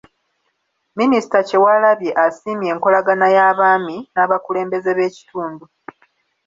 minisita Kyewalabye asiimye enkolagana y’abaami n’abakulembeze b’ebitundu.